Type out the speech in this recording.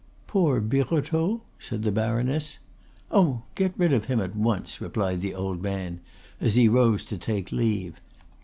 "Poor Birotteau?" said the baroness. "Oh, get rid of him at once," replied the old man, as he rose to take leave.